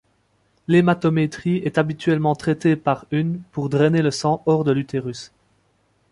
L'hématométrie est habituellement traitée par une pour drainer le sang hors de l'utérus.